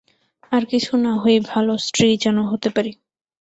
আর কিছু না হই ভালো স্ত্রী যেন হতে পারি।